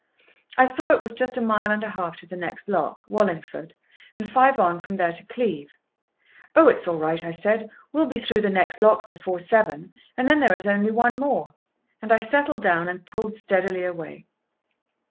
I saw it was just a mile and a half to the next lock—Wallingford—and five on from there to Cleeve. "Oh, it's all right!" I said. "We'll be through the next lock before seven, and then there is only one more;" and I settled down and pulled steadily away.